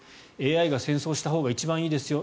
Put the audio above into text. ＡＩが戦争したほうが一番いいですよ